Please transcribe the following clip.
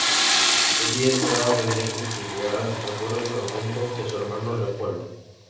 Allí esperaba Federico que llegaran refuerzos al mando de su hermano Leopoldo.